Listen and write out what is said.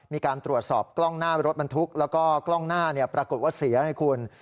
มีการตรวจสอบกล้องหน้ารถบรรทุกแล้วก็กล้องหน้าปรากฏว่าเสียให้คุณ